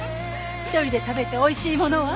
一人で食べておいしいものは。